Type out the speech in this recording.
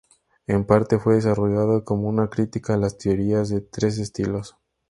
En parte fue desarrollada como una crítica a las teorías de tres estilos.